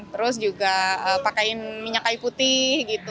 terus juga pakai minyak kai putih gitu